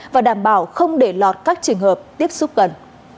và đảm bảo không để lọt các trường hợp tiếp xúc gần